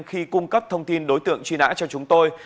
khi cung cấp thông tin đối tượng truy nã cho chúng tôi